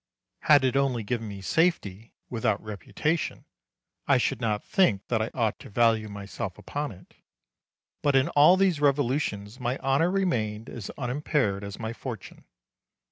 Had it only given me safety, without reputation, I should not think that I ought to value myself upon it. But in all these revolutions my honour remained as unimpaired as my fortune.